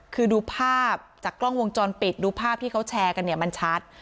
คือดูภาพจากกล้องวงจรปิดดูภาพที่เขาแชร์กันเนี่ยมันชัด